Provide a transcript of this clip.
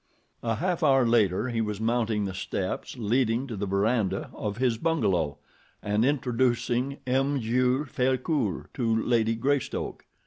A half hour later he was mounting the steps leading to the veranda of his bungalow, and introducing M. Jules Frecoult to Lady Greystoke.